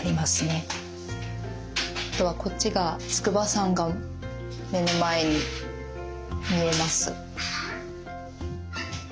あとはこっちが筑波山が目の前に見えます。